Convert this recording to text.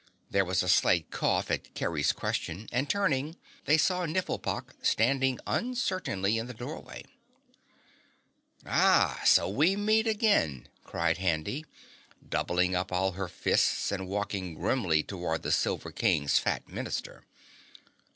There was a slight cough at Kerry's question and turning, they saw Nifflepok standing uncertainly in the doorway. "Ah, so we meet again!" cried Handy, doubling up all her fists and walking grimly toward the Silver King's fat Minister.